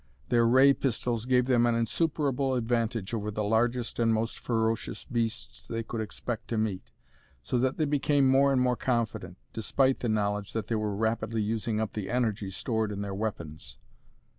Their ray pistols gave them an insuperable advantage over the largest and most ferocious beasts they could expect to meet, so that they became more and more confident, despite the knowledge that they were rapidly using up the energy stored in their weapons.